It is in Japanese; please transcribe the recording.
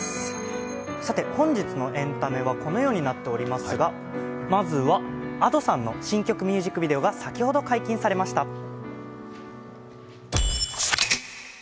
本日のエンタメはこのようになっておりますがまずはＡｄｏさんの新曲ミュージックビデオが先ほど解禁されました。